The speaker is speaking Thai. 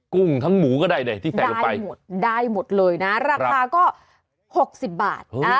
กุ้งทั้งหมูก็ได้ได้หมดเลยนะราคาก็๖๐บาท